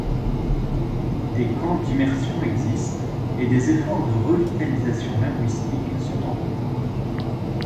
Des camps d'immersion existent et des efforts de revitalisation linguistique sont en cours.